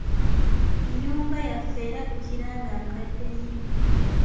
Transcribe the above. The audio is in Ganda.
Ennyumba yaffe erabikira nga nkadde nnyo.